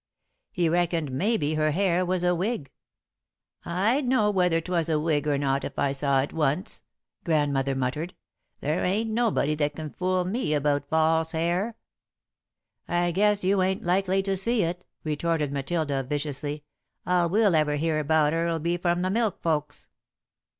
He reckoned maybe her hair was a wig." [Sidenote: Discussing the Stranger] "I'd know whether 'twas a wig or not, if I saw it once," Grandmother muttered. "There ain't nobody that can fool me about false hair." "I guess you ain't likely to see it," retorted Matilda, viciously. "All we'll ever hear about her'll be from the milk folks."